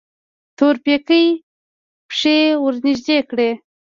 تورپيکۍ پښې ورنږدې کړې.